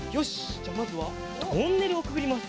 じゃあまずはトンネルをくぐります。